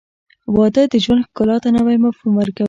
• واده د ژوند ښکلا ته نوی مفهوم ورکوي.